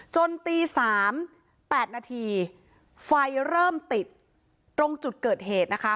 จนตี๓๘นาทีไฟเริ่มติดตรงจุดเกิดเหตุนะคะ